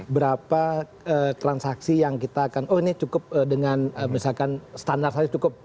berapa transaksi yang kita akan oh ini cukup dengan misalkan standar saja cukup